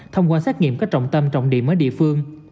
thông qua xét nghiệm có trọng tâm trọng điểm ở địa phương